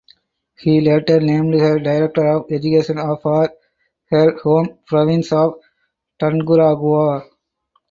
He later named her director of education for her home province of Tungurahua.